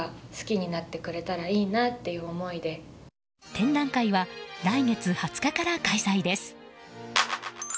展覧会は来月２０日から開催です。